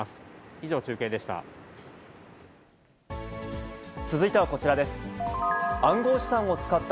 以上、中継でした。